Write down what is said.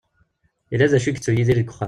Yella d acu i yettu Yidir deg wexxam.